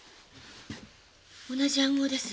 同じ暗号です。